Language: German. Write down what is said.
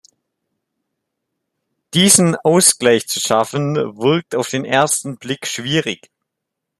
Diesen Ausgleich zu schaffen, wirkt auf den ersten Blick schwierig.